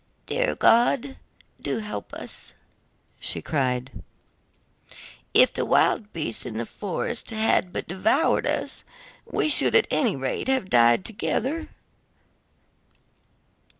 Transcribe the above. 'Dear God, do help us,' she cried. 'If the wild beasts in the forest had but devoured us, we should at any rate have died together.